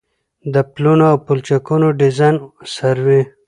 د پلونو او پلچکونو ډيزاين او سروې